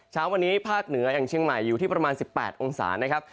เช้าวันนี้ภาคเหนืออย่างเชียงใหม่อยู่ที่ประมาณ๑๘องศานะครับ